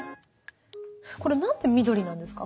これ何で緑なんですか？